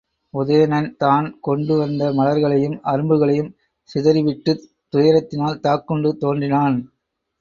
உதயணன் தான் கொண்டு வந்த மலர்களையும் அரும்புகளையும் சிதறிவிட்டுத் துயரத்தினால் தாக்குண்டு தோன்றினான்.